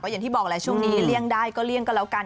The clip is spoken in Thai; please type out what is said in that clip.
อย่างที่บอกแหละช่วงนี้เลี่ยงได้ก็เลี่ยงก็แล้วกัน